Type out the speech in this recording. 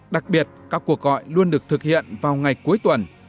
đặc biệt các cuộc gọi luôn được thực hiện vào ngày cuối tuần